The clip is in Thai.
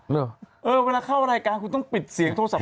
เวลาเข้ารายการคุณต้องปิดเสียงโทรศัพท์